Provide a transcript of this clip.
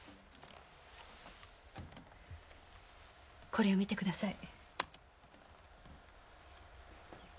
これを見てください。